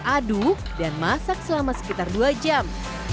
aduk dan masak selama sekitar dua jam